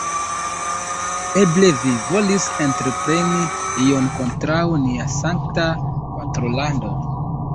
Eble vi volis entrepreni ion kontraŭ nia sankta patrolando?